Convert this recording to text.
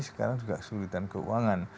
sekarang juga kesulitan keuangan